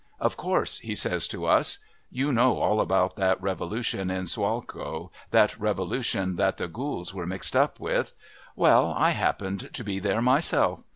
"Of course," he says to us, "you know all about that revolution in Sulaco, that revolution that the Goulds were mixed up with. Well, I happened to be there myself.